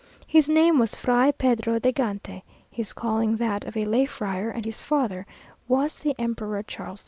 His name was Fray Pedro de Gante his calling that of a lay friar and his father was the Emperor Charles V!